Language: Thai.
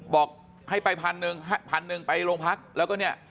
บอกให้ไปพันหนึ่งพันหนึ่งไปโรงพักแล้วก็เนี่ย